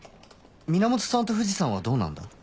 源さんと藤さんはどうなんだ？